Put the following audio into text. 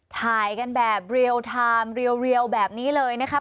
ถ่ายกันแบบเรียลไทม์เรียวแบบนี้เลยนะครับ